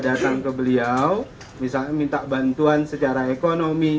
datang ke beliau misalnya minta bantuan secara ekonomi